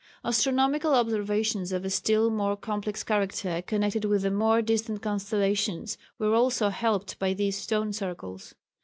Astronomical observations of a still more complex character connected with the more distant constellations were also helped by these stone circles.